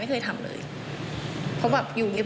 ครอบครับอยู่เงี๊บ